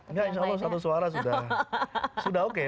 enggak insya allah satu suara sudah oke